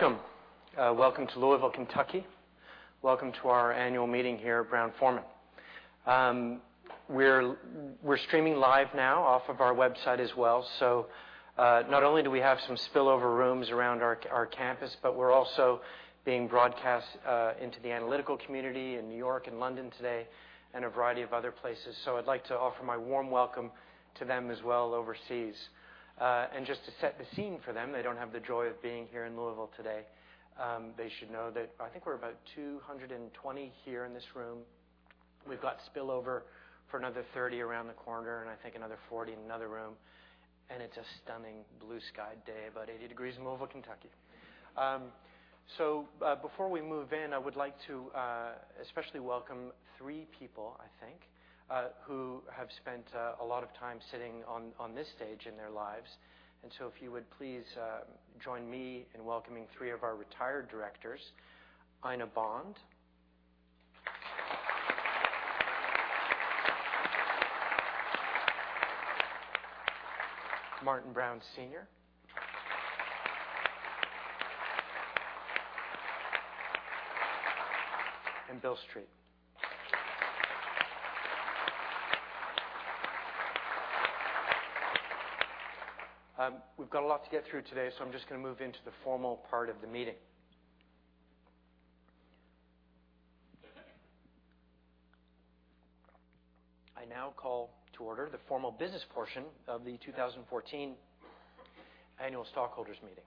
Welcome. Welcome to Louisville, Kentucky. Welcome to our annual meeting here at Brown-Forman. We're streaming live now off of our website as well. Not only do we have some spillover rooms around our campus, but we're also being broadcast into the analytical community in New York and London today and a variety of other places. I'd like to offer my warm welcome to them as well overseas. Just to set the scene for them, they don't have the joy of being here in Louisville today. They should know that I think we're about 220 here in this room. We've got spillover for another 30 around the corner and I think another 40 in another room, and it's a stunning blue sky day, about 80 degrees in Louisville, Kentucky. Before we move in, I would like to especially welcome three people, I think, who have spent a lot of time sitting on this stage in their lives. If you would please join me in welcoming three of our retired directors, Ina Bond, Martin Brown, Sr., and Bill Street. We've got a lot to get through today, so I'm just going to move into the formal part of the meeting. I now call to order the formal business portion of the 2014 annual stockholders meeting.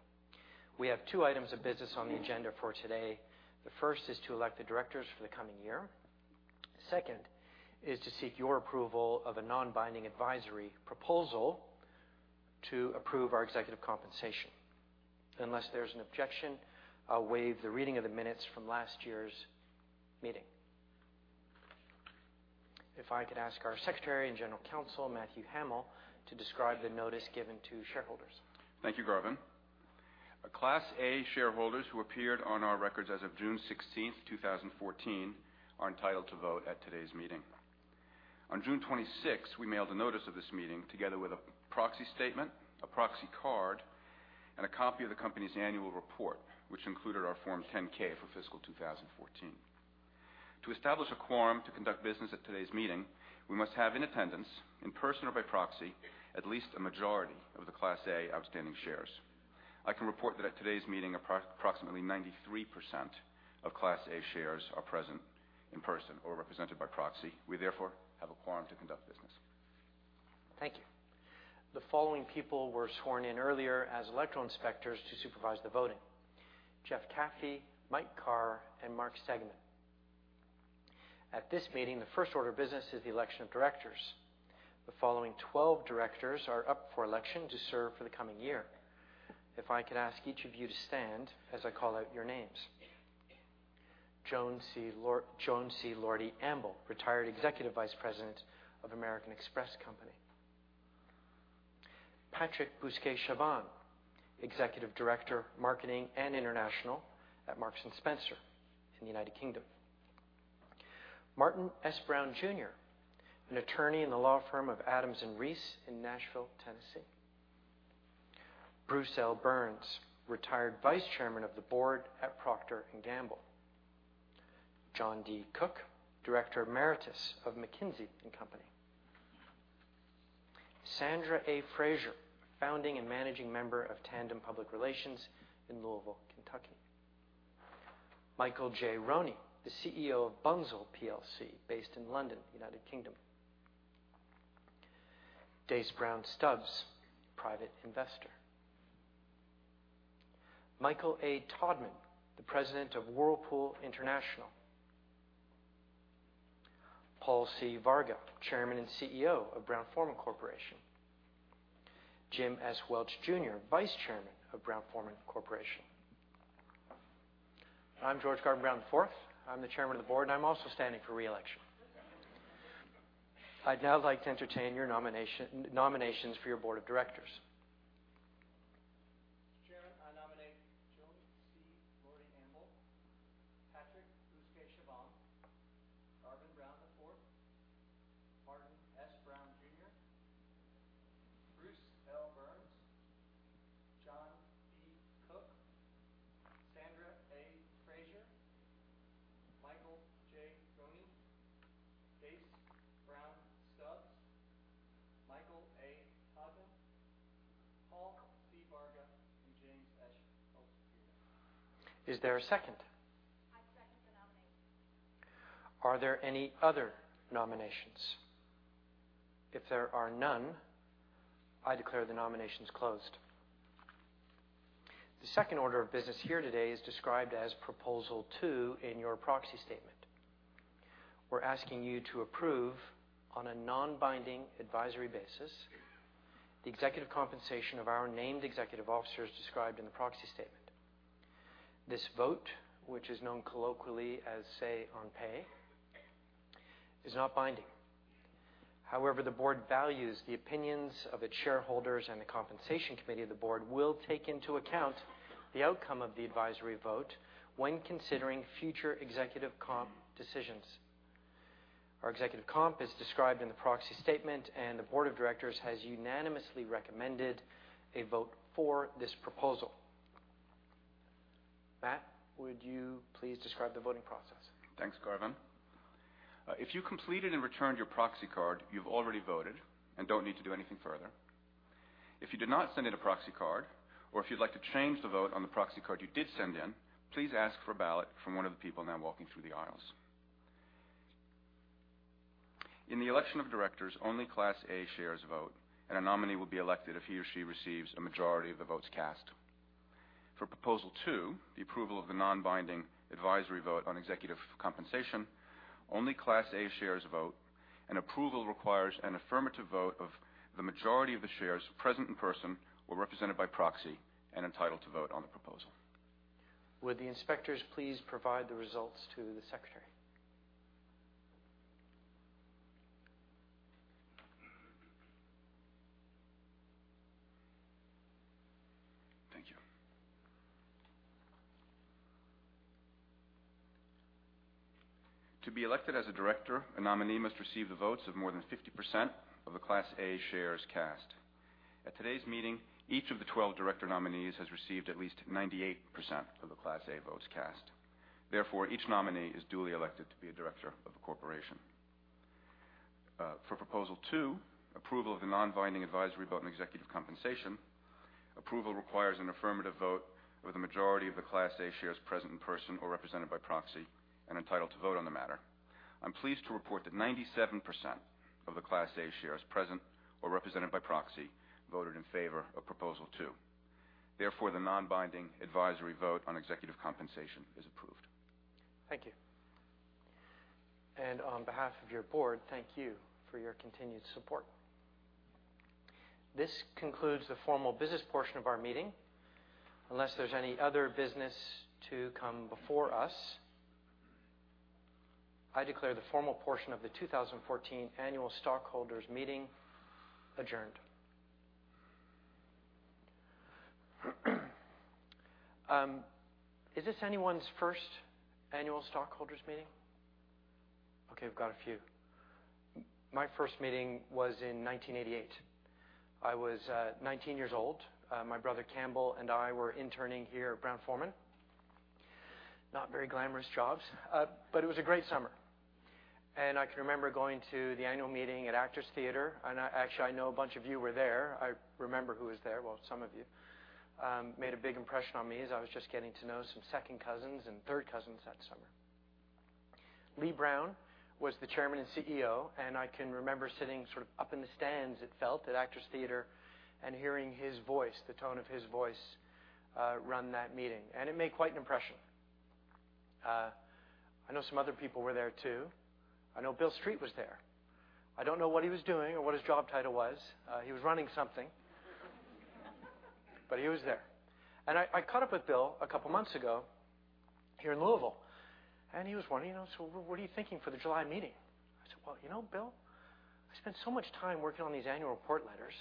We have two items of business on the agenda for today. The first is to elect the directors for the coming year. Second is to seek your approval of a non-binding advisory proposal to approve our executive compensation. Unless there's an objection, I'll waive the reading of the minutes from last year's meeting. If I could ask our Secretary and General Counsel, Matthew Hamel, to describe the notice given to shareholders. Thank you, Garvin. Class A shareholders who appeared on our records as of June 16th, 2014, are entitled to vote at today's meeting. On June 26th, we mailed a notice of this meeting together with a proxy statement, a proxy card, and a copy of the company's annual report, which included our Form 10-K for fiscal 2014. To establish a quorum to conduct business at today's meeting, we must have in attendance, in person or by proxy, at least a majority of the Class A outstanding shares. I can report that at today's meeting, approximately 93% of Class A shares are present in person or represented by proxy. We therefore have a quorum to conduct business. Thank you. The following people were sworn in earlier as election inspectors to supervise the voting, Jeff Caffey, Mike Carr, and Mark Stegman. At this meeting, the first order of business is the election of directors. The following 12 directors are up for election to serve for the coming year. If I could ask each of you to stand as I call out your names. Joan C. Lordi Amble, retired Executive Vice President of American Express Company. Patrick Bousquet-Chavanne, Executive Director, Marketing and International at Marks & Spencer in the U.K. Martin S. Brown, Jr., an attorney in the law firm of Adams and Reese in Nashville, Tennessee. Bruce L. Byrnes, retired Vice Chairman of the Board at Procter & Gamble. John D. Cook, Director Emeritus of McKinsey & Company. Sandra A. Frazier, Founding and Managing Member of Tandem Public Relations in Louisville, Kentucky. Michael J. Roney, the CEO of Bunzl plc based in London, U.K. Dace Brown Stubbs, private investor. Michael A. Todman, the President of Whirlpool International. Paul C. Varga, Chairman and CEO of Brown-Forman Corporation. Jim S. Welch Jr., Vice Chairman of Brown-Forman Corporation. I'm Geo. Garvin Brown IV. I'm the Chairman of the Board, and I'm also standing for re-election. I'd now like to entertain your nominations for your board of directors. Mr. Chairman, I nominate Joan C. Lordi Amble, Patrick Bousquet-Chavanne, Garvin Brown IV, Martin S. Brown, Jr., Bruce L. Byrnes, John D. Cook, Sandra A. Frazier, Michael J. Roney, Dace Brown Stubbs, Michael A. Todman, Paul C. Varga, and James S. Welch Jr. Is there a second? I second the nomination. Are there any other nominations? If there are none, I declare the nominations closed. The second order of business here today is described as Proposal 2 in your proxy statement. We're asking you to approve on a non-binding advisory basis the executive compensation of our named executive officers described in the proxy statement. This vote, which is known colloquially as say on pay, is not binding. However, the board values the opinions of its shareholders, and the compensation committee of the board will take into account the outcome of the advisory vote when considering future executive comp decisions. Our executive comp is described in the proxy statement, and the board of directors has unanimously recommended a vote for this proposal. Matt, would you please describe the voting process? Thanks, Garvin. If you completed and returned your proxy card, you've already voted and don't need to do anything further. If you did not send in a proxy card, or if you'd like to change the vote on the proxy card you did send in, please ask for a ballot from one of the people now walking through the aisles. In the election of directors, only Class A shares vote, and a nominee will be elected if he or she receives a majority of the votes cast. For Proposal 2, the approval of the non-binding advisory vote on executive compensation, only Class A shares vote, and approval requires an affirmative vote of the majority of the shares present in person or represented by proxy and entitled to vote on the proposal. Would the inspectors please provide the results to the secretary? Thank you. To be elected as a director, a nominee must receive the votes of more than 50% of the Class A shares cast. At today's meeting, each of the 12 director nominees has received at least 98% of the Class A votes cast. Therefore, each nominee is duly elected to be a director of the corporation. For Proposal 2, approval of the non-binding advisory vote on executive compensation, approval requires an affirmative vote with a majority of the Class A shares present in person or represented by proxy and entitled to vote on the matter. I'm pleased to report that 97% of the Class A shares present or represented by proxy voted in favor of Proposal 2. Therefore, the non-binding advisory vote on executive compensation is approved. Thank you. On behalf of your board, thank you for your continued support. This concludes the formal business portion of our meeting. Unless there's any other business to come before us, I declare the formal portion of the 2014 Annual Stockholders' Meeting adjourned. Is this anyone's first annual stockholders meeting? Okay, we've got a few. My first meeting was in 1988. I was 19 years old. My brother Campbell and I were interning here at Brown-Forman. Not very glamorous jobs, but it was a great summer. I can remember going to the annual meeting at Actors Theatre, and actually, I know a bunch of you were there. I remember who was there. Well, some of you made a big impression on me as I was just getting to know some second cousins and third cousins that summer. Lee Brown was the chairman and CEO. I can remember sitting sort of up in the stands, it felt, at Actors Theatre and hearing his voice, the tone of his voice, run that meeting, and it made quite an impression. I know some other people were there, too. I know Bill Street was there. I don't know what he was doing or what his job title was. He was running something. He was there. I caught up with Bill a couple of months ago here in Louisville, and he was wondering, "What are you thinking for the July meeting?" I said, "You know, Bill, I spend so much time working on these annual report letters.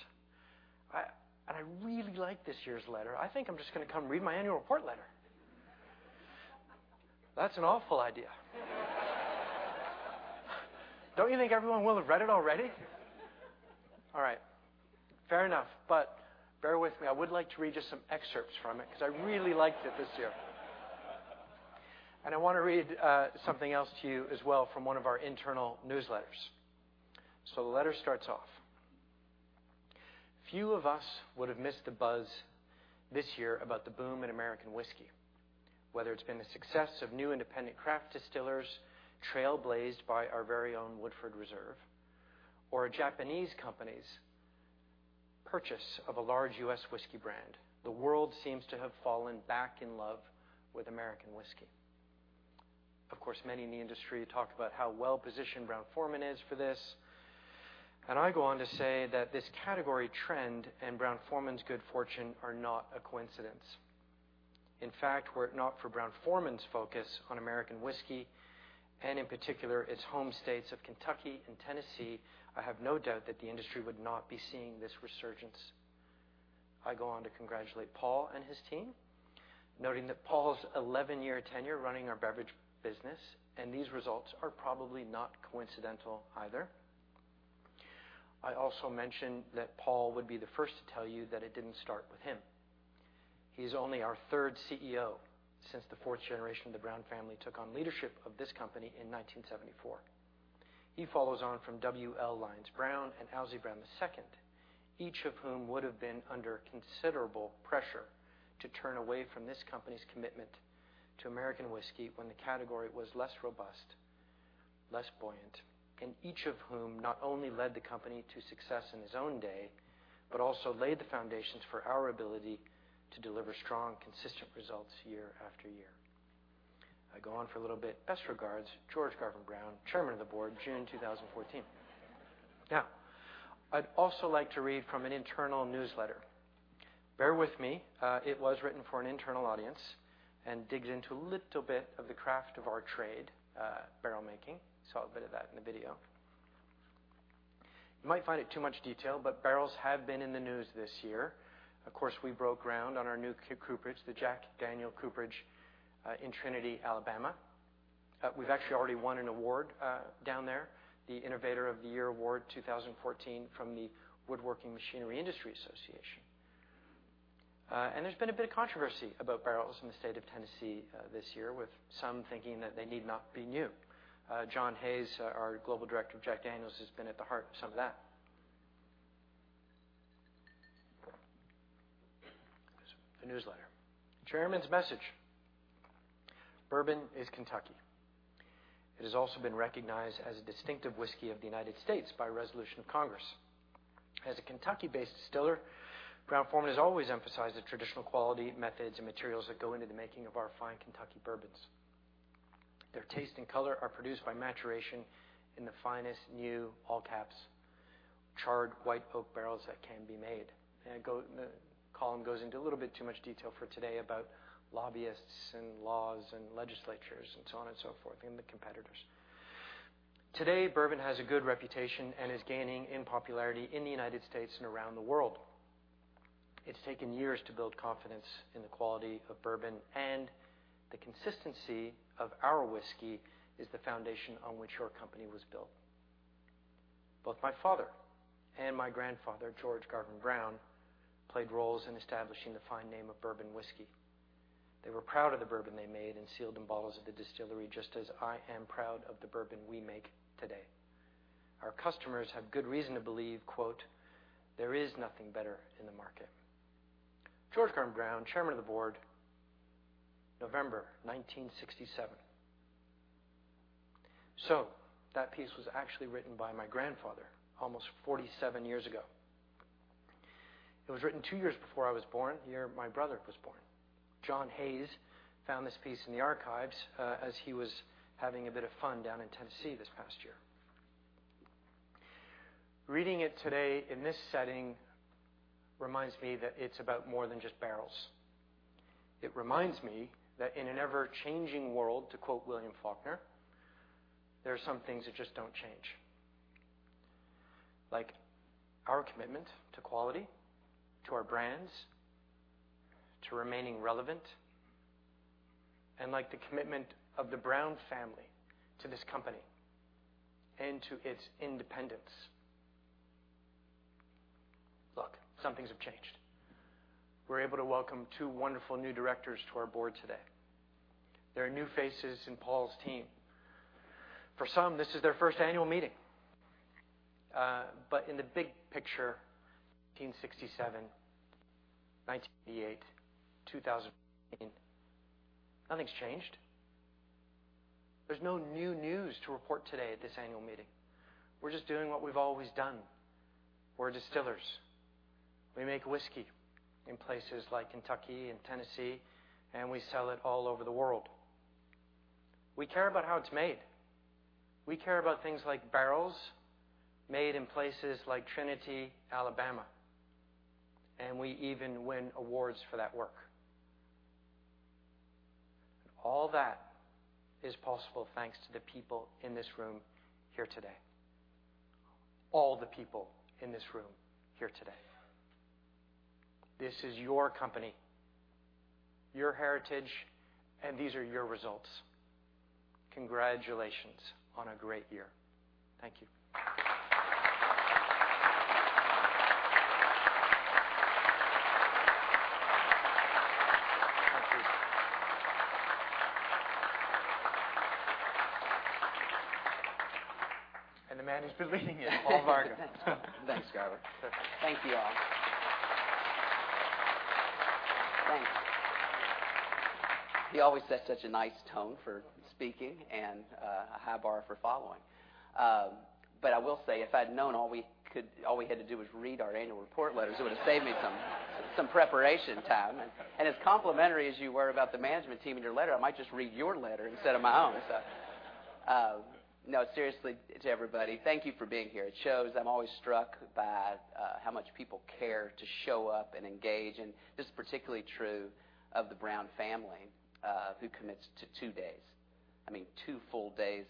I really like this year's letter. I think I'm just going to come read my annual report letter." That's an awful idea. Don't you think everyone will have read it already? All right. Fair enough. Bear with me. I would like to read just some excerpts from it because I really liked it this year. I want to read something else to you as well from one of our internal newsletters. The letter starts off, "Few of us would have missed the buzz this year about the boom in American whiskey, whether it's been the success of new independent craft distillers, trailblazed by our very own Woodford Reserve, or a Japanese company's purchase of a large U.S. whiskey brand. The world seems to have fallen back in love with American whiskey." Of course, many in the industry talk about how well-positioned Brown-Forman is for this. I go on to say that this category trend and Brown-Forman's good fortune are not a coincidence. In fact, were it not for Brown-Forman's focus on American whiskey, and in particular, its home states of Kentucky and Tennessee, I have no doubt that the industry would not be seeing this resurgence. I go on to congratulate Paul and his team, noting that Paul's 11-year tenure running our beverage business. These results are probably not coincidental either. I also mentioned that Paul would be the first to tell you that it didn't start with him. He's only our third CEO since the fourth generation of the Brown family took on leadership of this company in 1974. He follows on from W.L. Lyons Brown and Owsley Brown II, each of whom would have been under considerable pressure to turn away from this company's commitment to American whiskey when the category was less robust, less buoyant. Each of whom not only led the company to success in his own day, but also laid the foundations for our ability to deliver strong, consistent results year after year. I go on for a little bit. Best regards, George Garvin Brown, chairman of the board, June 2014. I'd also like to read from an internal newsletter. Bear with me. It was written for an internal audience and digs into a little bit of the craft of our trade, barrel making. Saw a bit of that in the video. You might find it too much detail. Barrels have been in the news this year. We broke ground on our new cooperage, the Jack Daniel Cooperage, in Trinity, Alabama. We've actually already won an award down there, the Innovator of the Year Award 2014 from the Woodworking Machinery Industry Association. There's been a bit of controversy about barrels in the state of Tennessee this year, with some thinking that they need not be new. John Hayes, our global director of Jack Daniel's, has been at the heart of some of that. The newsletter. Chairman's message. Bourbon is Kentucky. It has also been recognized as a distinctive whiskey of the United States by resolution of Congress. As a Kentucky-based distiller, Brown-Forman has always emphasized the traditional quality, methods, and materials that go into the making of our fine Kentucky bourbons. Their taste and color are produced by maturation in the finest new, charred white oak barrels that can be made. The column goes into a little bit too much detail for today about lobbyists, and laws, and legislatures, and so on and so forth, and the competitors. Today, bourbon has a good reputation and is gaining in popularity in the United States and around the world. It's taken years to build confidence in the quality of bourbon, and the consistency of our whiskey is the foundation on which our company was built. Both my father and my grandfather, George Garvin Brown, played roles in establishing the fine name of bourbon whiskey. They were proud of the bourbon they made and sealed in bottles at the distillery, just as I am proud of the bourbon we make today. Our customers have good reason to believe, quote, "There is nothing better in the market." George Garvin Brown, Chairman of the Board, November 1967. That piece was actually written by my grandfather almost 47 years ago. It was written two years before I was born, the year my brother was born. John Hayes found this piece in the archives, as he was having a bit of fun down in Tennessee this past year. Reading it today in this setting reminds me that it's about more than just barrels. It reminds me that in an ever-changing world, to quote William Faulkner, there are some things that just don't change. Like our commitment to quality, to our brands, to remaining relevant, and like the commitment of the Brown family to this company and to its independence. Look, some things have changed. We're able to welcome two wonderful new directors to our board today. There are new faces in Paul's team. For some, this is their first annual meeting. In the big picture, 1967, 1988, 2018, nothing's changed. There's no new news to report today at this annual meeting. We're just doing what we've always done. We're distillers. We make whiskey in places like Kentucky and Tennessee, and we sell it all over the world. We care about how it's made. We care about things like barrels made in places like Trinity, Alabama. We even win awards for that work. All that is possible thanks to the people in this room here today. All the people in this room here today. This is your company, your heritage, and these are your results. Congratulations on a great year. Thank you. Thank you. The man who's been leading it, Paul Varga. Thanks, Garvin. Thank you all. Thanks. He always sets such a nice tone for speaking and, a high bar for following. I will say, if I'd known all we had to do was read our annual report letters, it would've saved me some preparation time. As complimentary as you were about the management team in your letter, I might just read your letter instead of my own. No, seriously, to everybody, thank you for being here. It shows. I'm always struck by how much people care to show up and engage, and this is particularly true of the Brown family, who commits to two days. I mean, two full days.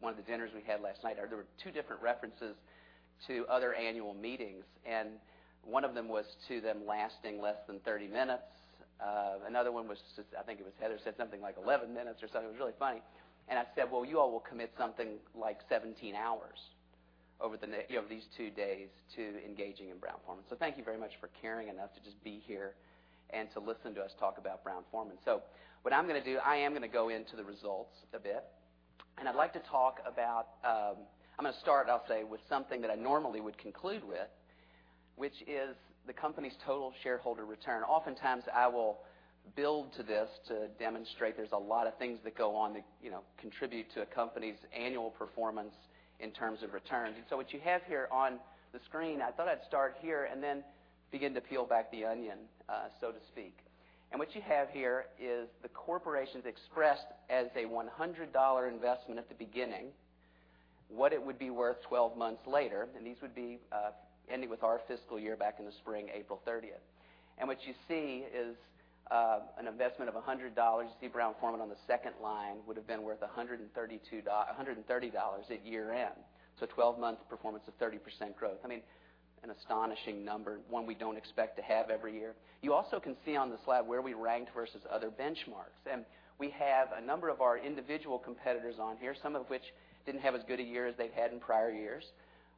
One of the dinners we had last night, there were two different references to other annual meetings, and one of them was to them lasting less than 30 minutes. Another one was, I think it was Heather, said something like 11 minutes or something. It was really funny. I said, "Well, you all will commit something like 17 hours over these two days to engaging in Brown-Forman." Thank you very much for caring enough to just be here and to listen to us talk about Brown-Forman. What I'm going to do, I am going to go into the results a bit. I'm going to start, I'll say, with something that I normally would conclude with, which is the company's total shareholder return. Oftentimes, I will build to this to demonstrate there's a lot of things that go on that contribute to a company's annual performance in terms of returns. What you have here on the screen, I thought I'd start here and then begin to peel back the onion, so to speak. What you have here is the corporations expressed as a $100 investment at the beginning, what it would be worth 12 months later, and these would be ending with our fiscal year back in the spring, April 30th. What you see is An investment of $100, you see Brown-Forman on the second line, would've been worth $130 at year-end. 12 months performance of 30% growth. An astonishing number, one we don't expect to have every year. You also can see on the slide where we ranked versus other benchmarks, and we have a number of our individual competitors on here, some of which didn't have as good a year as they'd had in prior years.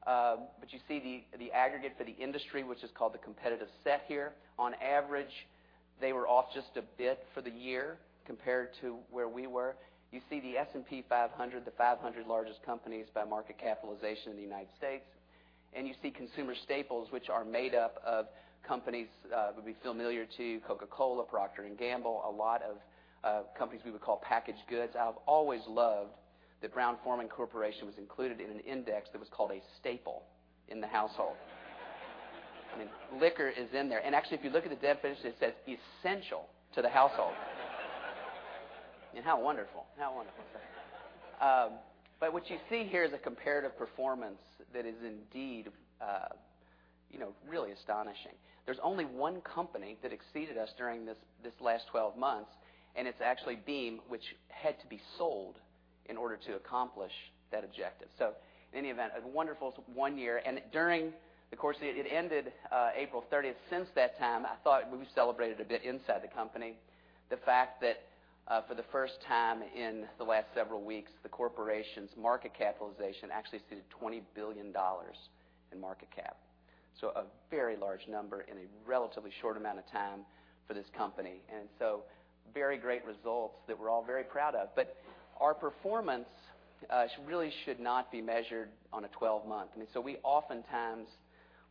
You see the aggregate for the industry, which is called the competitive set here. On average, they were off just a bit for the year compared to where we were. You see the S&P 500, the 500 largest companies by market capitalization in the U.S., and you see consumer staples, which are made up of companies that would be familiar to you, Coca-Cola, Procter & Gamble, a lot of companies we would call packaged goods. I've always loved that Brown-Forman Corporation was included in an index that was called a staple in the household. I mean, liquor is in there, and actually if you look at the definition, it says essential to the household. How wonderful. What you see here is a comparative performance that is indeed really astonishing. There's only one company that exceeded us during this last 12 months, and it's actually Beam, which had to be sold in order to accomplish that objective. In any event, a wonderful one year, and during the course, it ended April 30th. Since that time, I thought we celebrated a bit inside the company, the fact that for the first time in the last several weeks, the corporation's market capitalization actually exceeded $20 billion in market cap. A very large number in a relatively short amount of time for this company, and very great results that we're all very proud of. Our performance really should not be measured on a 12 month. We oftentimes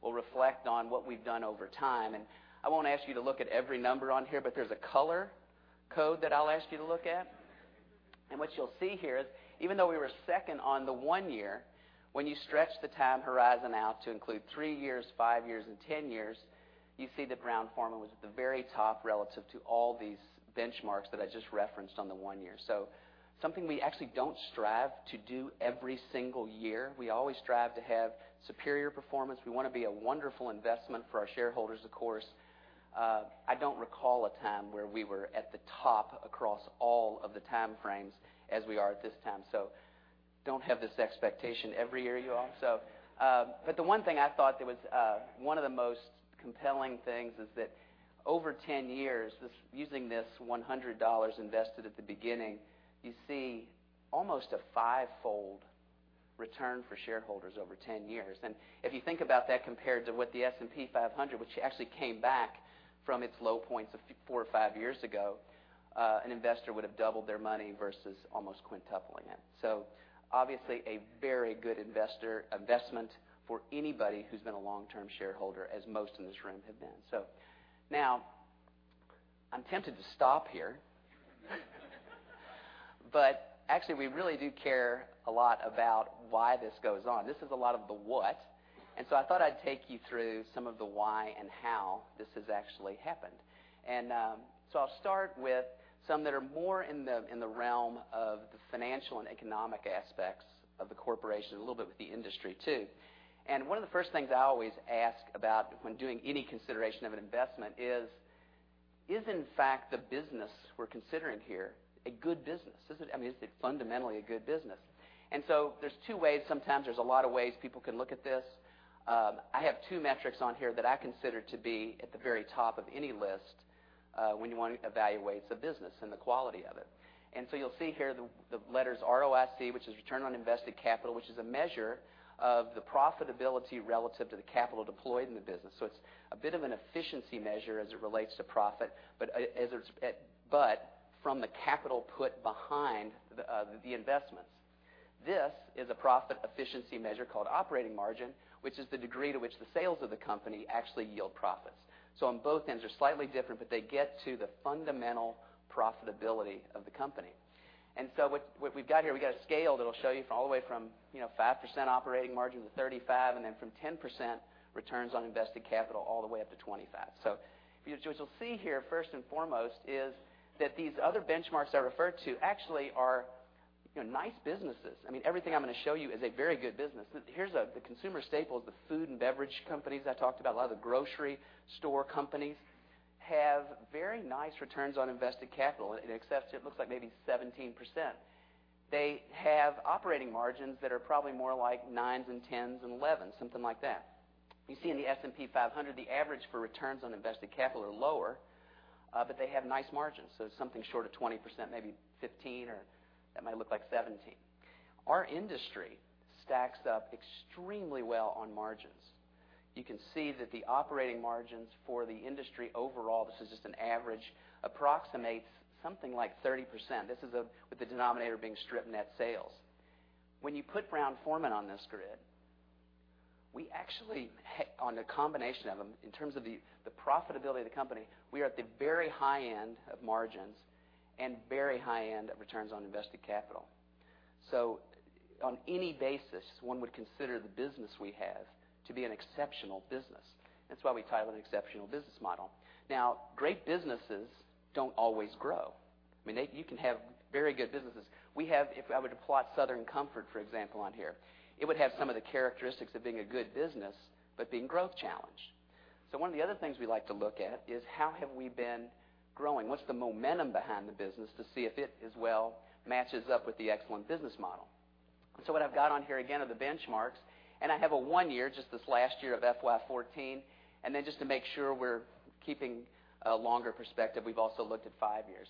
will reflect on what we've done over time, and I won't ask you to look at every number on here, but there's a color code that I'll ask you to look at. What you'll see here is even though we were second on the one year, when you stretch the time horizon out to include three years, five years, and 10 years, you see that Brown-Forman was at the very top relative to all these benchmarks that I just referenced on the one year. Something we actually don't strive to do every single year. We always strive to have superior performance. We want to be a wonderful investment for our shareholders, of course. I don't recall a time where we were at the top across all of the time frames as we are at this time. Don't have this expectation every year, you all. The one thing I thought that was one of the most compelling things is that over 10 years, using this $100 invested at the beginning, you see almost a five-fold return for shareholders over 10 years. If you think about that compared to what the S&P 500, which actually came back from its low points of four or five years ago, an investor would've doubled their money versus almost quintupling it. Obviously, a very good investment for anybody who's been a long-term shareholder, as most in this room have been. Now, I'm tempted to stop here. Actually, we really do care a lot about why this goes on. This is a lot of the what, and I thought I'd take you through some of the why and how this has actually happened. I'll start with some that are more in the realm of the financial and economic aspects of the corporation, a little bit with the industry, too. One of the first things I always ask about when doing any consideration of an investment is in fact the business we're considering here a good business? I mean, is it fundamentally a good business? There's two ways, sometimes there's a lot of ways people can look at this. I have two metrics on here that I consider to be at the very top of any list, when you want to evaluate the business and the quality of it. You'll see here the letters ROIC, which is return on invested capital, which is a measure of the profitability relative to the capital deployed in the business. It's a bit of an efficiency measure as it relates to profit, but from the capital put behind the investments. This is a profit efficiency measure called operating margin, which is the degree to which the sales of the company actually yield profits. On both ends, they're slightly different, but they get to the fundamental profitability of the company. What we've got here, we've got a scale that'll show you all the way from 5% operating margin to 35%, and then from 10% return on invested capital all the way up to 25%. What you'll see here, first and foremost, is that these other benchmarks I referred to actually are nice businesses. Everything I'm going to show you is a very good business. Here's the consumer staples, the food and beverage companies I talked about, a lot of the grocery store companies have very nice return on invested capital. In excess it looks like maybe 17%. They have operating margins that are probably more like nines and 10s and 11s, something like that. You see in the S&P 500, the average for return on invested capital are lower, but they have nice margins, so something short of 20%, maybe 15%, or that might look like 17%. Our industry stacks up extremely well on margins. You can see that the operating margins for the industry overall, this is just an average, approximates something like 30%. This is with the denominator being stripped net sales. When you put Brown-Forman on this grid, we actually, on the combination of them, in terms of the profitability of the company, we are at the very high end of margins and very high end of return on invested capital. On any basis, one would consider the business we have to be an exceptional business. That's why we title it exceptional business model. Great businesses don't always grow. You can have very good businesses. If I were to plot Southern Comfort, for example, on here, it would have some of the characteristics of being a good business, but being growth challenged. One of the other things we like to look at is how have we been growing? What's the momentum behind the business to see if it as well matches up with the excellent business model? What I've got on here again are the benchmarks, and I have a one year, just this last year of FY 2014, and then just to make sure we're keeping a longer perspective, we've also looked at five years.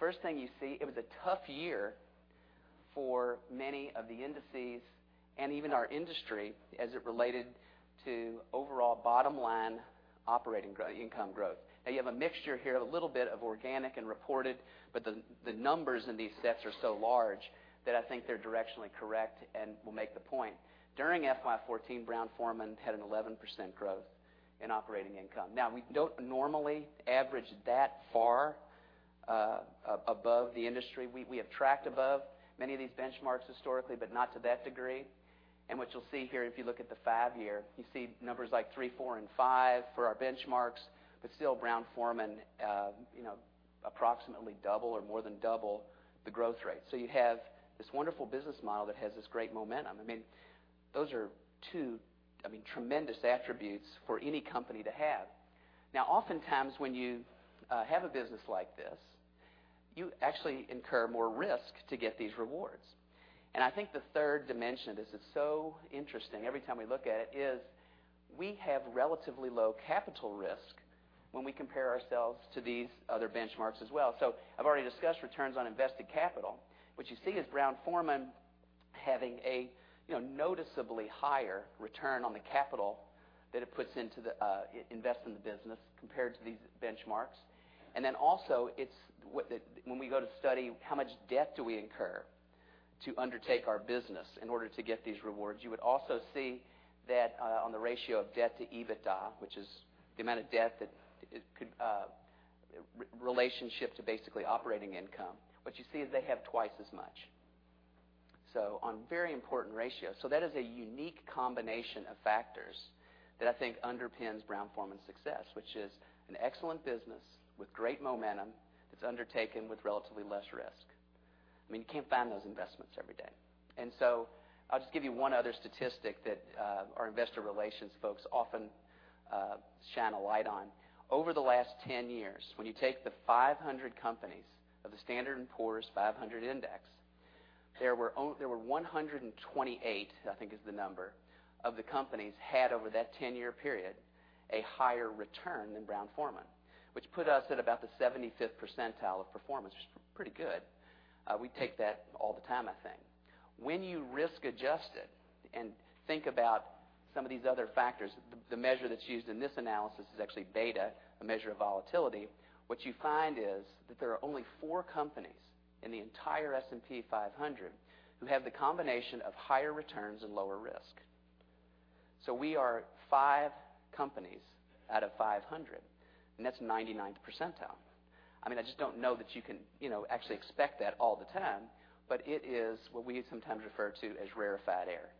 First thing you see, it was a tough year for many of the indices and even our industry as it related to overall bottom line operating income growth. You have a mixture here, a little bit of organic and reported, but the numbers in these sets are so large that I think they're directionally correct and will make the point. During FY 2014, Brown-Forman had an 11% growth in operating income. We don't normally average that far above the industry. We have tracked above many of these benchmarks historically, but not to that degree. What you'll see here if you look at the 5-year, you see numbers like three, four, and five for our benchmarks, but still Brown-Forman approximately double or more than double the growth rate. You have this wonderful business model that has this great momentum. Those are two tremendous attributes for any company to have. Oftentimes when you have a business like this, you actually incur more risk to get these rewards. I think the third dimension of this is so interesting every time we look at it, is we have relatively low capital risk when we compare ourselves to these other benchmarks as well. I've already discussed returns on invested capital. What you see is Brown-Forman having a noticeably higher return on the capital that it invests in the business compared to these benchmarks. Also, when we go to study how much debt do we incur to undertake our business in order to get these rewards, you would also see that on the ratio of debt to EBITDA, which is the amount of debt relationship to basically operating income, what you see is they have twice as much. On very important ratio. That is a unique combination of factors that I think underpins Brown-Forman's success, which is an excellent business with great momentum that's undertaken with relatively less risk. You can't find those investments every day. I'll just give you one other statistic that our investor relations folks often shine a light on. Over the last 10 years, when you take the 500 companies of the Standard & Poor's 500, there were 128, I think is the number, of the companies had over that 10-year period, a higher return than Brown-Forman, which put us at about the 75th percentile of performance, which is pretty good. We take that all the time, I think. When you risk adjust it and think about some of these other factors, the measure that's used in this analysis is actually beta, a measure of volatility. What you find is that there are only four companies in the entire S&P 500 who have the combination of higher returns and lower risk. We are five companies out of 500, and that's 99th percentile. I just don't know that you can actually expect that all the time, but it is what we sometimes refer to as rarefied air.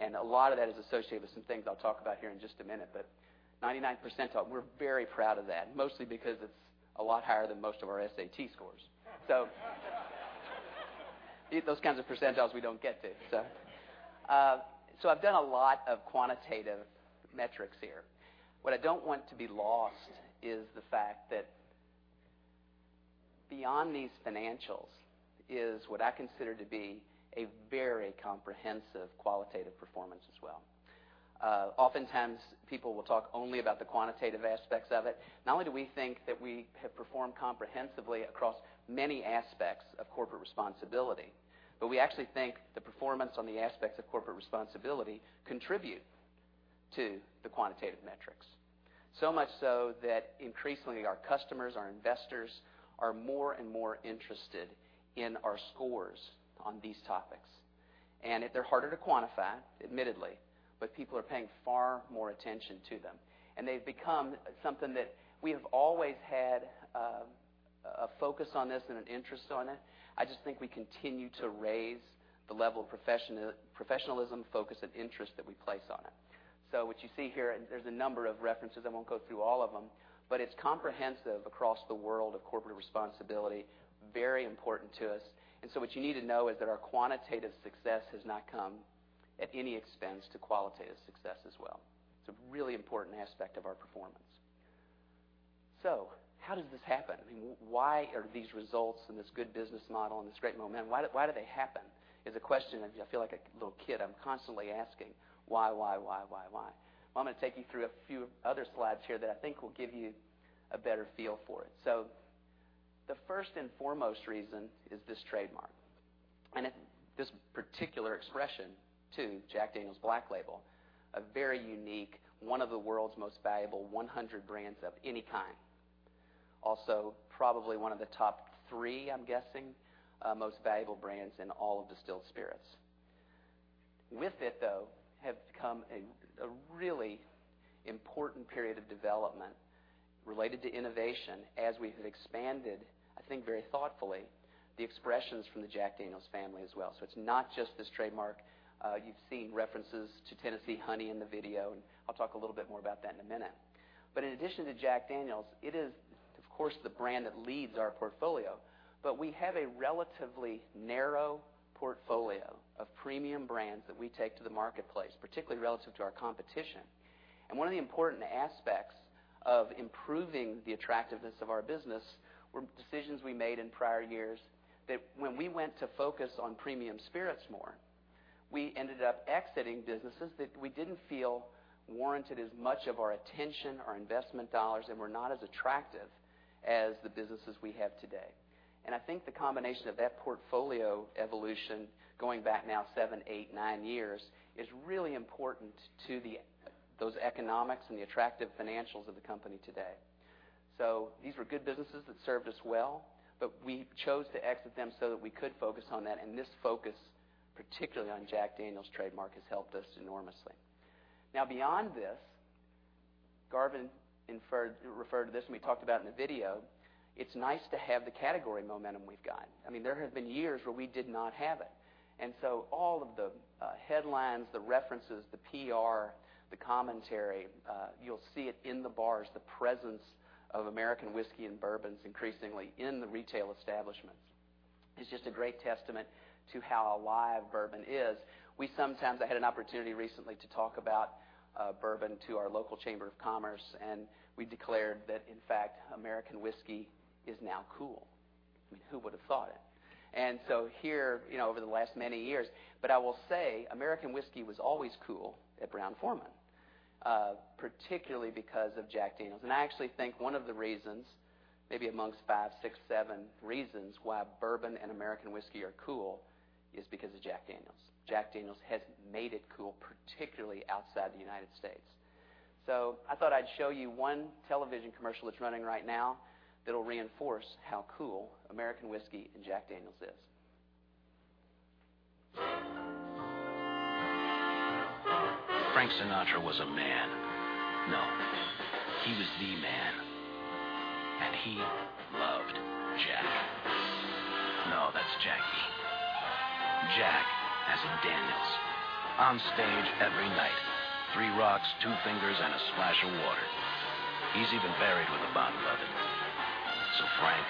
A lot of that is associated with some things I'll talk about here in just a minute. 99th percentile, we're very proud of that, mostly because it's a lot higher than most of our SAT scores. Those kinds of percentiles we don't get to. I've done a lot of quantitative metrics here. What I don't want to be lost is the fact that beyond these financials is what I consider to be a very comprehensive qualitative performance as well. Oftentimes, people will talk only about the quantitative aspects of it. Not only do we think that we have performed comprehensively across many aspects of corporate responsibility, but we actually think the performance on the aspects of corporate responsibility contribute to the quantitative metrics. Much so that increasingly our customers, our investors, are more and more interested in our scores on these topics. They're harder to quantify, admittedly, but people are paying far more attention to them. They've become something that we have always had a focus on this and an interest on it. I just think we continue to raise the level of professionalism, focus, and interest that we place on it. What you see here, there's a number of references, I won't go through all of them, but it's comprehensive across the world of corporate responsibility, very important to us. What you need to know is that our quantitative success has not come at any expense to qualitative success as well. It's a really important aspect of our performance. How does this happen? Why are these results and this good business model and this great momentum, why do they happen? Is a question, I feel like a little kid, I'm constantly asking, why? Well, I'm going to take you through a few other slides here that I think will give you a better feel for it. The first and foremost reason is this trademark, and this particular expression, too, Jack Daniel's Black Label, a very unique, one of the world's most valuable 100 brands of any kind. Also, probably one of the top three, I'm guessing, most valuable brands in all of distilled spirits. With it, though, have come a really important period of development related to innovation as we have expanded, I think very thoughtfully the expressions from the Jack Daniel's family as well. It's not just this trademark. You've seen references to Tennessee Honey in the video, and I'll talk a little bit more about that in a minute. In addition to Jack Daniel's, it is, of course, the brand that leads our portfolio. We have a relatively narrow portfolio of premium brands that we take to the marketplace, particularly relative to our competition. One of the important aspects of improving the attractiveness of our business were decisions we made in prior years, that when we went to focus on premium spirits more, we ended up exiting businesses that we didn't feel warranted as much of our attention, our investment dollars, and were not as attractive as the businesses we have today. I think the combination of that portfolio evolution, going back now seven, eight, nine years, is really important to those economics and the attractive financials of the company today. These were good businesses that served us well, but we chose to exit them so that we could focus on that. This focus, particularly on Jack Daniel's trademark, has helped us enormously. Now, beyond this, Garvin referred to this, and we talked about in the video, it's nice to have the category momentum we've got. There have been years where we did not have it. All of the headlines, the references, the PR, the commentary, you'll see it in the bars, the presence of American whiskey and bourbons increasingly in the retail establishments. It's just a great testament to how alive bourbon is. I had an opportunity recently to talk about bourbon to our local chamber of commerce, and we declared that, in fact, American whiskey is now cool. Who would've thought it? Here, over the last many years. I will say American whiskey was always cool at Brown-Forman, particularly because of Jack Daniel's. I actually think one of the reasons, maybe amongst five, six, seven reasons why bourbon and American whiskey are cool is because of Jack Daniel's. Jack Daniel's has made it cool, particularly outside the U.S. I thought I'd show you one television commercial that's running right now that'll reinforce how cool American whiskey and Jack Daniel's is. Frank Sinatra was a man. No, he was the man. He loved Jack. No, that's Jackie. Jack, as in Daniels. On stage every night. Three rocks, two fingers, and a splash of water. He's even buried with a bottle of it. Frank,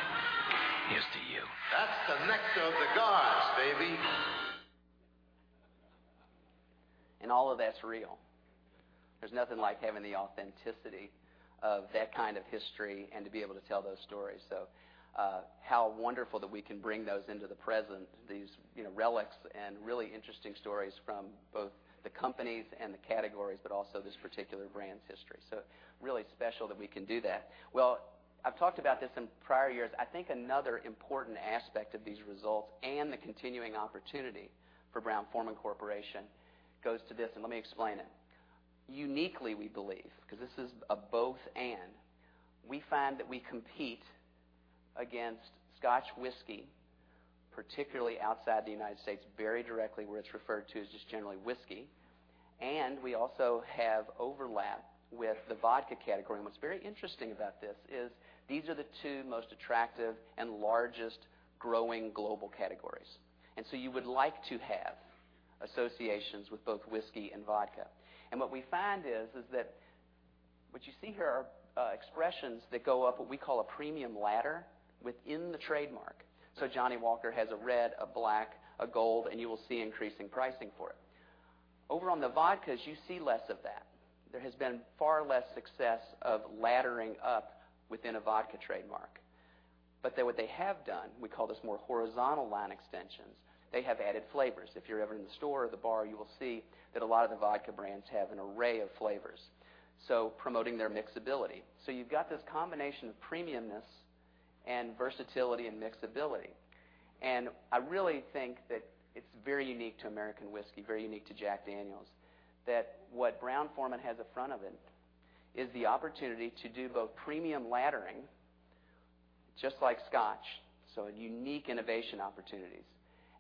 here's to you. That's the nectar of the gods, baby. All of that's real. There's nothing like having the authenticity of that kind of history and to be able to tell those stories. How wonderful that we can bring those into the present, these relics, and really interesting stories from both the companies and the categories, but also this particular brand's history. Really special that we can do that. Well, I've talked about this in prior years. I think another important aspect of these results and the continuing opportunity for Brown-Forman Corporation goes to this, and let me explain it. Uniquely, we believe, because this is a both and, we find that we compete against Scotch whiskey, particularly outside the U.S., very directly, where it's referred to as just generally whiskey. We also have overlap with the vodka category. What's very interesting about this is these are the two most attractive and largest growing global categories. You would like to have associations with both whiskey and vodka. What we find is that what you see here are expressions that go up, what we call a premium ladder within the trademark. Johnnie Walker has a red, a black, a gold, and you will see increasing pricing for it. Over on the vodkas, you see less of that. There has been far less success of laddering up within a vodka trademark. What they have done, we call this more horizontal line extensions, they have added flavors. If you're ever in the store or the bar, you will see that a lot of the vodka brands have an array of flavors, so promoting their mixability. You've got this combination of premiumness and versatility and mixability. I really think that it's very unique to American whiskey, very unique to Jack Daniel's, that what Brown-Forman has in front of it is the opportunity to do both premium laddering, just like Scotch, unique innovation opportunities,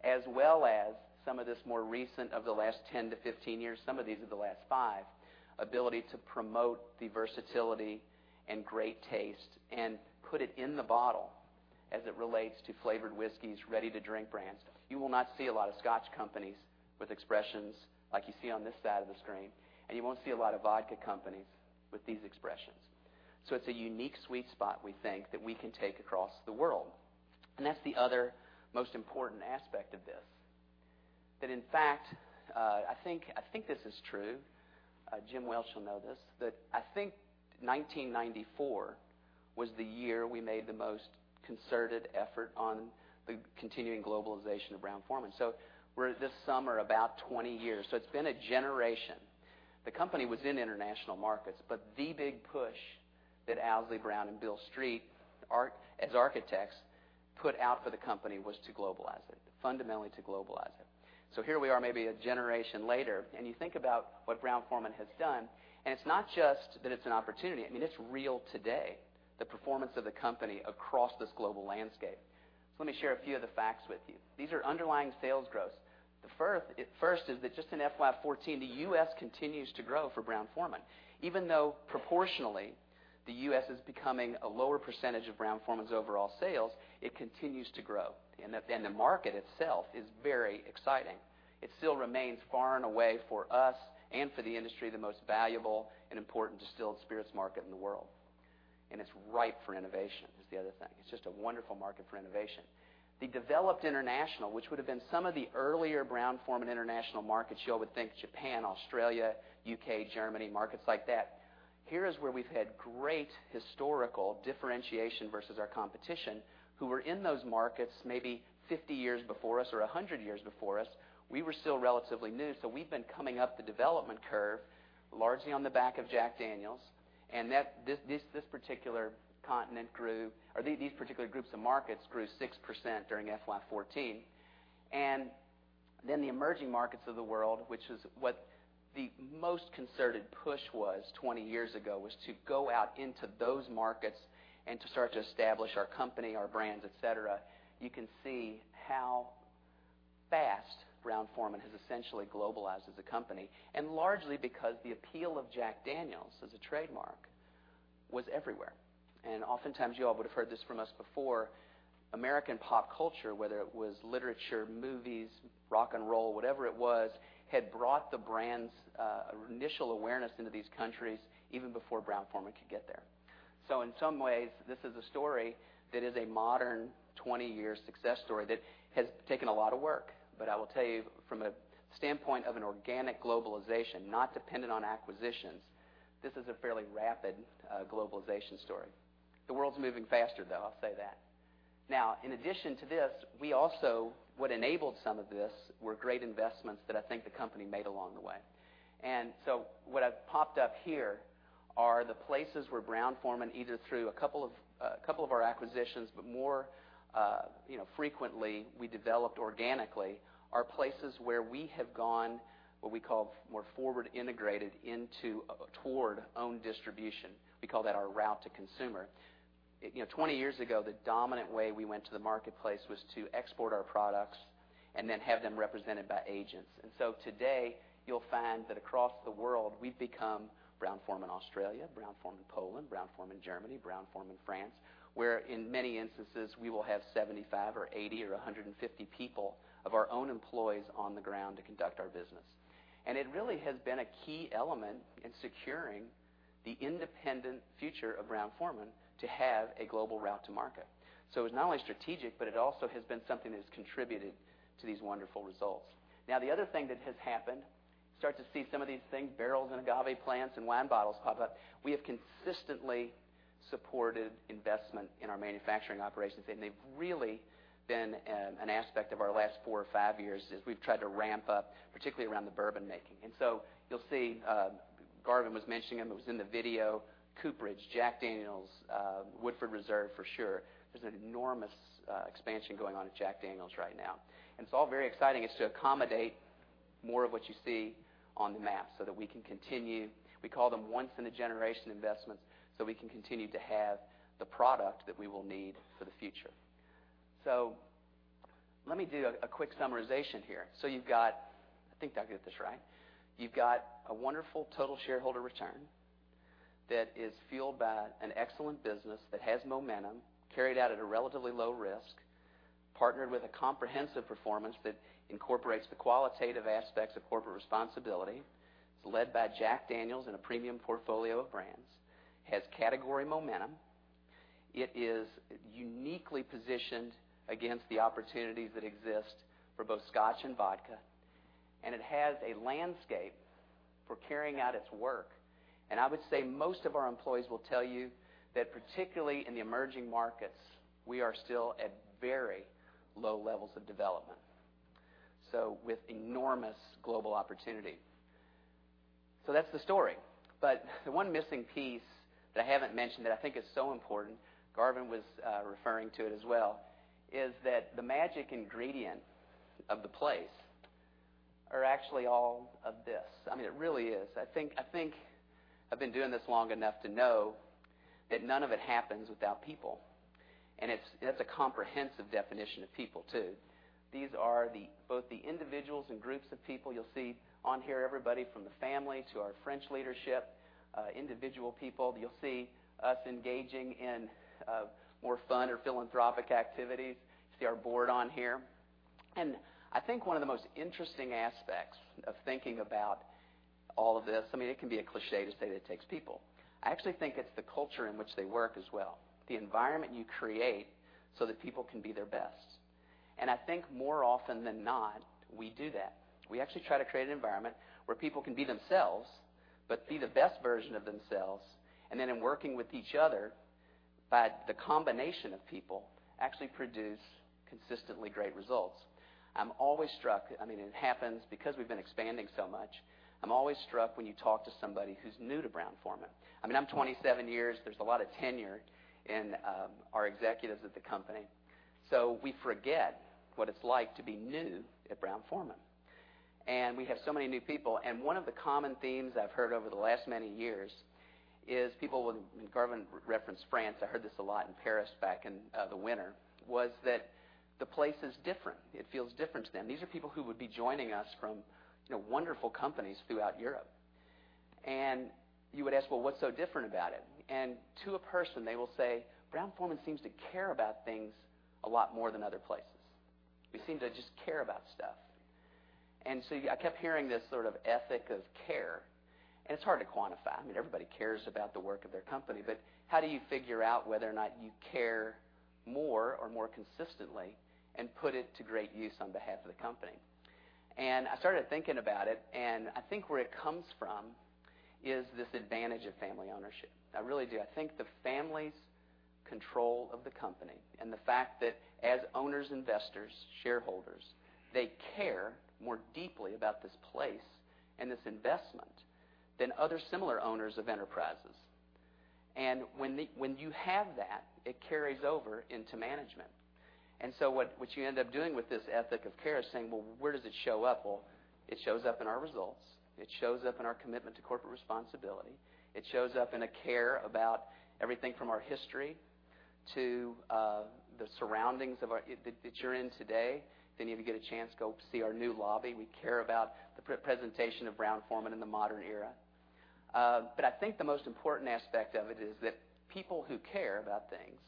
as well as some of this more recent, of the last 10-15 years, some of these are the last 5, ability to promote the versatility and great taste and put it in the bottle as it relates to flavored whiskeys, ready-to-drink brands. You will not see a lot of Scotch companies with expressions like you see on this side of the screen, and you won't see a lot of vodka companies with these expressions. It's a unique sweet spot, we think, that we can take across the world. That's the other most important aspect of this. In fact, I think this is true. Jim Welch will know this. I think 1994 was the year we made the most concerted effort on the continuing globalization of Brown-Forman. We're, this summer, about 20 years. It's been a generation. The company was in international markets, but the big push that Owsley Brown and Bill Street, as architects, put out for the company was to globalize it, fundamentally to globalize it. Here we are, maybe a generation later, and you think about what Brown-Forman has done, and it's not just that it's an opportunity. It's real today, the performance of the company across this global landscape. Let me share a few of the facts with you. These are underlying sales growth. First is that just in FY 2014, the U.S. continues to grow for Brown-Forman, even though proportionally the U.S. is becoming a lower percentage of Brown-Forman's overall sales. It continues to grow. The market itself is very exciting. It still remains far and away for us, and for the industry, the most valuable and important distilled spirits market in the world. It's ripe for innovation, is the other thing. It's just a wonderful market for innovation. The developed international, which would've been some of the earlier Brown-Forman international markets, you all would think Japan, Australia, U.K., Germany, markets like that. Here is where we've had great historical differentiation versus our competition, who were in those markets maybe 50 years before us or 100 years before us. We were still relatively new, so we've been coming up the development curve largely on the back of Jack Daniel's, and these particular groups of markets grew 6% during FY14. The emerging markets of the world, which is what the most concerted push was 20 years ago, was to go out into those markets and to start to establish our company, our brands, et cetera. You can see how fast Brown-Forman has essentially globalized as a company, and largely because the appeal of Jack Daniel's as a trademark was everywhere. Oftentimes, you all would've heard this from us before, American pop culture, whether it was literature, movies, rock and roll, whatever it was, had brought the brand's initial awareness into these countries even before Brown-Forman could get there. In some ways, this is a story that is a modern 20-year success story that has taken a lot of work. I will tell you from a standpoint of an organic globalization, not dependent on acquisitions, this is a fairly rapid globalization story. The world's moving faster, though, I'll say that. In addition to this, what enabled some of this were great investments that I think the company made along the way. What I've popped up here are the places where Brown-Forman, either through a couple of our acquisitions, but more frequently, we developed organically, are places where we have gone what we call more forward integrated toward own distribution. We call that our route to consumer. 20 years ago, the dominant way we went to the marketplace was to export our products and then have them represented by agents. Today, you'll find that across the world, we've become Brown-Forman Australia, Brown-Forman Poland, Brown-Forman Germany, Brown-Forman France, where in many instances, we will have 75, or 80, or 150 people of our own employees on the ground to conduct our business. It really has been a key element in securing the independent future of Brown-Forman to have a global route to market. It's not only strategic, but it also has been something that has contributed to these wonderful results. The other thing that has happened, you start to see some of these things, barrels, and agave plants, and wine bottles pop up. We have consistently supported investment in our manufacturing operations, and they've really been an aspect of our last four or five years as we've tried to ramp up, particularly around the bourbon-making. You'll see, Garvin was mentioning, and it was in the video, Cooperage, Jack Daniel's, Woodford Reserve for sure. There's an enormous expansion going on at Jack Daniel's right now. It's all very exciting. It's to accommodate more of what you see on the map, so that we can continue. We call them once-in-a-generation investments, so we can continue to have the product that we will need for the future. Let me do a quick summarization here. You've got, I think I'll get this right. You've got a wonderful total shareholder return that is fueled by an excellent business that has momentum, carried out at a relatively low risk, partnered with a comprehensive performance that incorporates the qualitative aspects of corporate responsibility. It's led by Jack Daniel's and a premium portfolio of brands. Has category momentum. It is uniquely positioned against the opportunities that exist for both scotch and vodka, and it has a landscape for carrying out its work. I would say most of our employees will tell you that particularly in the emerging markets, we are still at very low levels of development. With enormous global opportunity. That's the story. The one missing piece that I haven't mentioned that I think is so important, Garvin was referring to it as well, is that the magic ingredient of the place are actually all of this. I mean, it really is. I think I've been doing this long enough to know that none of it happens without people, and that's a comprehensive definition of people, too. These are both the individuals and groups of people you'll see on here, everybody from the family to our French leadership, individual people. You'll see us engaging in more fun or philanthropic activities. You see our board on here. I think one of the most interesting aspects of thinking about all of this, I mean, it can be a cliché to say that it takes people. I actually think it's the culture in which they work as well, the environment you create so that people can be their best. I think more often than not, we do that. We actually try to create an environment where people can be themselves, but be the best version of themselves, and then in working with each other, by the combination of people, actually produce consistently great results. I'm always struck. I mean, it happens because we've been expanding so much. I'm always struck when you talk to somebody who's new to Brown-Forman. I mean, I'm 27 years. There's a lot of tenure in our executives at the company. We forget what it's like to be new at Brown-Forman. We have so many new people, and one of the common themes I've heard over the last many years is people, when Garvin referenced France, I heard this a lot in Paris back in the winter, was that the place is different. It feels different to them. These are people who would be joining us from wonderful companies throughout Europe. You would ask, "Well, what's so different about it?" To a person, they will say, "Brown-Forman seems to care about things a lot more than other places. We seem to just care about stuff." I kept hearing this sort of ethic of care, and it's hard to quantify. Everybody cares about the work of their company, but how do you figure out whether or not you care more or more consistently and put it to great use on behalf of the company? I started thinking about it, and I think where it comes from is this advantage of family ownership. I really do. I think the family's control of the company and the fact that as owners, investors, shareholders, they care more deeply about this place and this investment than other similar owners of enterprises. When you have that, it carries over into management. What you end up doing with this ethic of care is saying, "Well, where does it show up?" Well, it shows up in our results. It shows up in our commitment to corporate responsibility. It shows up in a care about everything from our history to the surroundings that you're in today. If any of you get a chance, go up to see our new lobby. We care about the presentation of Brown-Forman in the modern era. I think the most important aspect of it is that people who care about things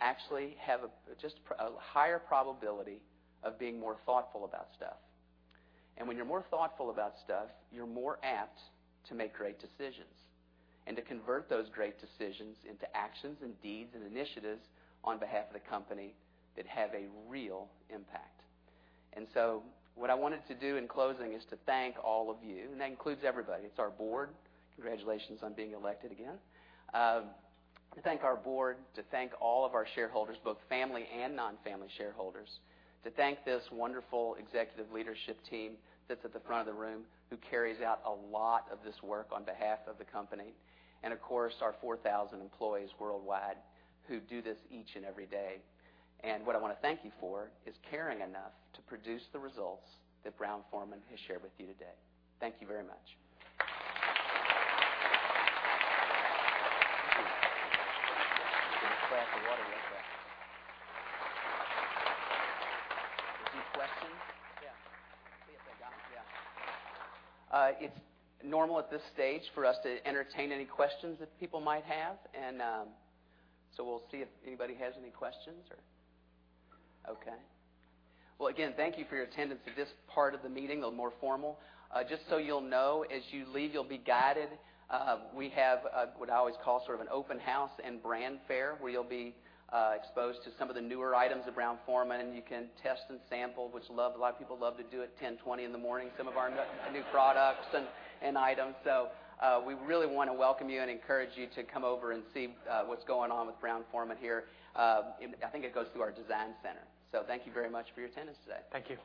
actually have just a higher probability of being more thoughtful about stuff. When you're more thoughtful about stuff, you're more apt to make great decisions and to convert those great decisions into actions, and deeds, and initiatives on behalf of the company that have a real impact. What I wanted to do in closing is to thank all of you, and that includes everybody. It's our board. Congratulations on being elected again. To thank our board, to thank all of our shareholders, both family and non-family shareholders, to thank this wonderful executive leadership team that's at the front of the room who carries out a lot of this work on behalf of the company, and of course, our 4,000 employees worldwide who do this each and every day. What I want to thank you for is caring enough to produce the results that Brown-Forman has shared with you today. Thank you very much. You're going to splash the water right there. Are there questions? Yeah. See if they got them. Yeah. It's normal at this stage for us to entertain any questions that people might have. We'll see if anybody has any questions or Okay. Again, thank you for your attendance at this part of the meeting, the more formal. Just so you'll know, as you leave, you'll be guided. We have what I always call sort of an open house and brand fair where you'll be exposed to some of the newer items of Brown-Forman, and you can test and sample, which a lot of people love to do at 10:20 A.M., some of our new products and items. We really want to welcome you and encourage you to come over and see what's going on with Brown-Forman here. I think it goes through our design center. Thank you very much for your attendance today. Thank you.